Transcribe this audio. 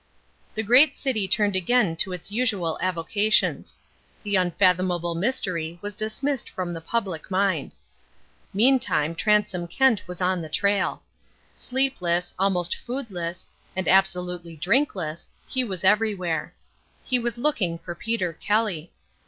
The great city turned again to its usual avocations. The unfathomable mystery was dismissed from the public mind. Meantime Transome Kent was on the trail. Sleepless, almost foodless, and absolutely drinkless, he was everywhere. He was looking for Peter Kelly.